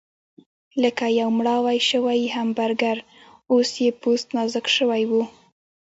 لکه یو مړاوی شوی همبرګر، اوس یې پوست نازک شوی و.